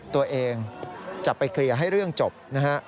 ตัวเองจะไปเคลียร์ให้เรื่องจบนะฮะ